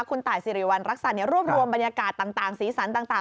คุณตายสิริวัณรักษัตริย์รวบรวมบรรยากาศต่างสีสันต่าง